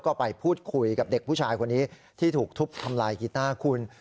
ก็ไปพูดคุยกับเด็กผู้ชายคนนี้ที่ถูกทุบทำลายกีต้าคุณ